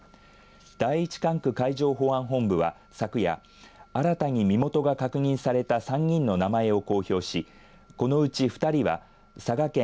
第１管区海上保安本部は昨夜、新たに身元が確認された３人の名前を公表しこのうち２人は佐賀県